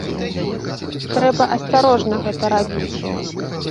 Трэба асцярожна гэта рабіць.